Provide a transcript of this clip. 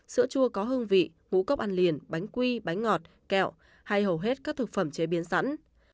sữa chua có hương vị ngũ cốc ăn liền bánh quy bánh ngọt kẹo hay hầu hết các thực phẩm chế biến sẵn